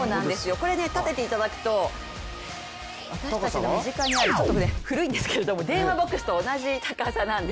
これを立てていただくと私たちの身近にある古いんですけど、電話ボックスと同じ高さなんです。